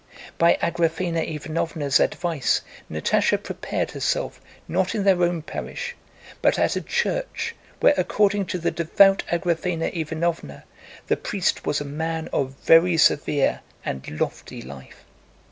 By Agraféna Ivánovna's advice Natásha prepared herself not in their own parish, but at a church where, according to the devout Agraféna Ivánovna, the priest was a man of very severe and lofty life.